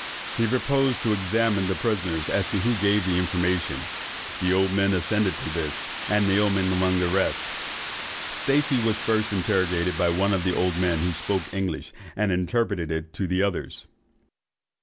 He proposed to examine the prisoners as to who gave the information. The old men assented to this, and Naoman among the rest. Stacey was first interrogated by one of the old men, who spoke English, and interpreted to the others.